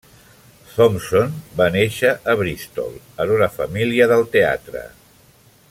Thompson va néixer a Bristol en una família del teatre.